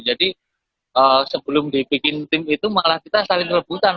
jadi sebelum dibikin tim itu malah kita saling rebutan